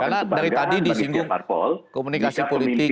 karena dari tadi disinggung komunikasi politik